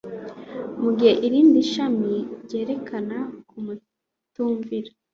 mu gihe irindi shami ryerekanaga kutumvira